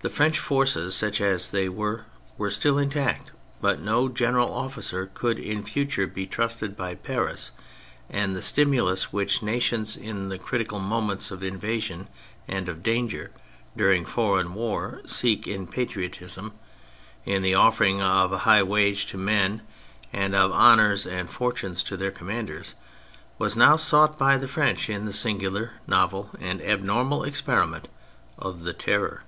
The French forces, such as they were, were still intact, but no general officer could in future be trusted by Paris, and the stimulus which nations in the critical moments of invasion and of danger during foreign war seek in patriotism, in the offering of a high wage to the men and of honours and fortunes to their commanders, was now sought by the French in the singular, novel and abnormal experiment of the Terror.